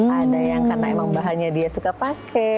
ada yang karena emang bahannya dia suka pakai